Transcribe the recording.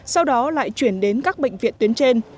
sau đó lại chuyển đến các bệnh viện tuyến trên